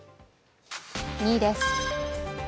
２位です。